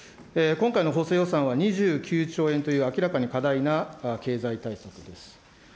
今回の補正予算は２９兆円という明らかに過大な経済対策です。